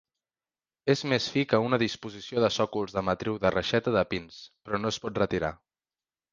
És més fi que una disposició de sòcols de matriu de reixeta de pins, però no es pot retirar.